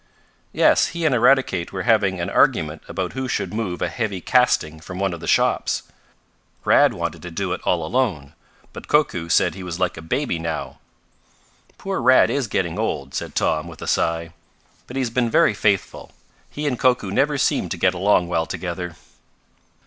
"Yes, he and Eradicate were having an argument about who should move a heavy casting from one of the shops. Rad wanted to do it all alone, but Koku said he was like a baby now." "Poor Rad is getting old," said Tom with a sigh. "But he has been very faithful. He and Koku never seem to get along well together."